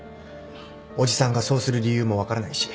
叔父さんがそうする理由も分からないし。